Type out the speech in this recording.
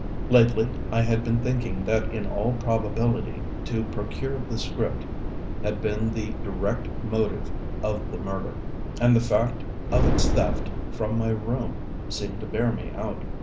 Lately I had been thinking that in all probability to procure the script had been the direct motive of the murder; and the fact of its theft from my room seemed to bear me out.